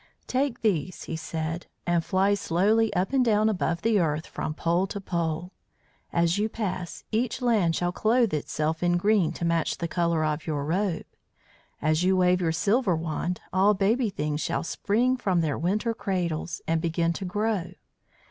"Take these," he said, "and fly slowly up and down above the earth from pole to pole. As you pass, each land shall clothe itself in green to match the colour of your robe; as you wave your silver wand, all baby things shall spring from their winter cradles and begin to grow.